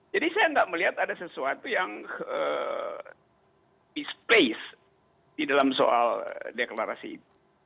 jadi saya tidak melihat ada sesuatu yang misplaced di dalam soal deklarasi itu